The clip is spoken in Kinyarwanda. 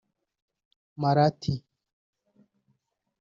Marathi